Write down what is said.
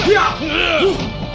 aku akan mencari